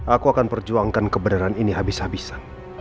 aku akan perjuangkan kebenaran ini habis habisan